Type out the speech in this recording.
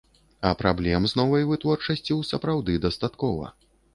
А праблем з новай вытворчасцю, сапраўды, дастаткова.